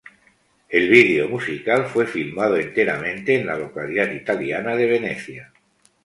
El vídeo musical fue filmado enteramente en la localidad italiana de Venecia.